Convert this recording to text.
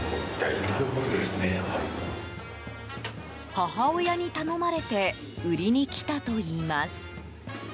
母親に頼まれて売りに来たといいます。